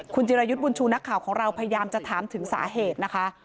คุณจิรายุทธ์บุญชูนักข่าวของเราพยายามจะถามถึงสาเหตุนะคะ